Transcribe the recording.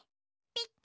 ピッ。